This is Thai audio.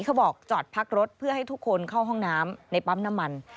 เขาบอกจอดพักรถเพื่อให้ทุกคนเข้าห้องน้ำในปั๊มน้ำมัน